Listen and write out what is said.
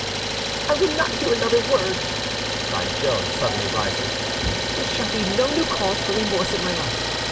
"I will not hear another word," cried Joan, suddenly rising; "there shall be no new cause for remorse in my life.